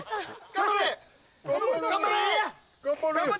頑張れ。